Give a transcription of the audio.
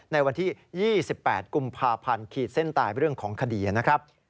ในวันที่๒๘กุมภาพันธ์ขีดเส้นตายเรื่องของคดีนะครับ